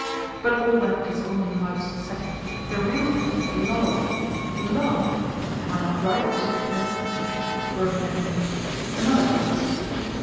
"But all that is only life's setting, the real thing is love—love! Am I not right, Monsieur Pierre?" said he, growing animated. "Another glass?"